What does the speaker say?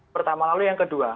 pertama lalu yang kedua